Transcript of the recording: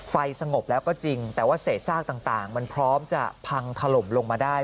ไฟสงบแล้วก็จริงแต่ว่าเศษซากต่างมันพร้อมจะพังถล่มลงมาได้